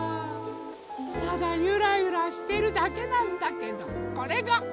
ただゆらゆらしてるだけなんだけどこれが。